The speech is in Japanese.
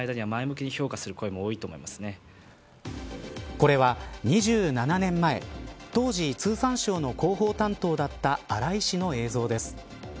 これは２７年前当時、通産省の広報担当だった荒井氏の映像です。